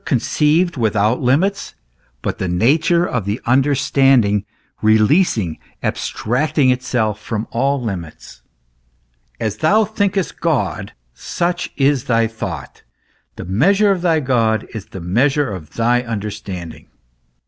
conceived without limits, but the nature of the understanding releasing, abstracting itself from all limits ? As thou thiiikest God, such is thy thought ; the measure of thy God is the measure of thy understanding.